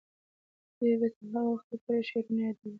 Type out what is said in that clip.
دوی به تر هغه وخته پورې شعرونه یادوي.